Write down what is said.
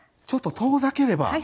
ちょっと遠ざければ。